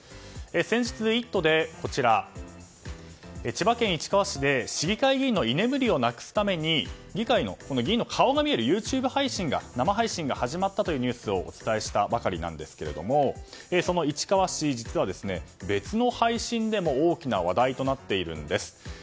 先日の「イット！」で千葉県市川市で市議会議員の居眠りをなくすために議会の議員の顔が見えるＹｏｕＴｕｂｅの生配信が始まったというニュースをお伝えしたばかりなんですがその市川市、実は別の配信でも大きな話題となっているんです。